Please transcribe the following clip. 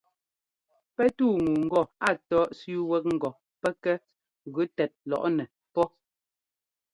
Pɛ́ túu ŋu ŋgɔ a tɔ́ ɛ́sẅíi wɛ́k ŋgɔ pɛ́ kɛ gʉ tɛt lɔꞌnɛ pɔ́.